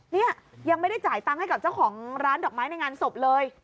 เนี่ยยังไม่ได้จ่ายตังค์ให้กับเจ้าของร้านดอกไม้ในงานศพเลย